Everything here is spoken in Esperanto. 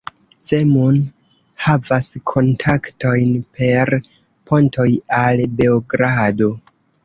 Zemun havas kontaktojn per pontoj al Beogrado.